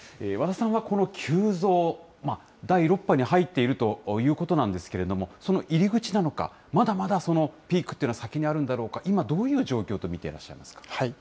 和田さんはこの急増、第６波に入っているということなんですけれども、その入口なのか、まだまだピークというのは先にあるんだろうか、今、どういう状況と見ていらっしゃいますか。